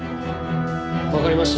わかりました。